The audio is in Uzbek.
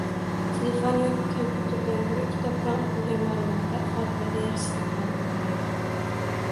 telefon yoki kompyuterdan ko‘ra kitobdan o‘qilgan ma’lumotlar xotirada yaxshi saqlanib qoladi.